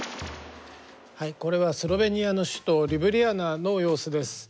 これはスロベニアの首都リュブリャナの様子です。